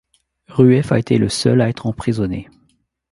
Ruef a été le seul à être emprisonné.